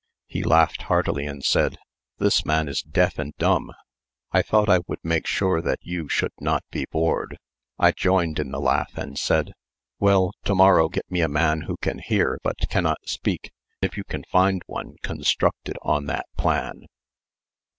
He laughed heartily and said: "This man is deaf and dumb. I thought I would make sure that you should not be bored." I joined in the laugh and said: "Well, to morrow get me a man who can hear but cannot speak, if you can find one constructed on that plan."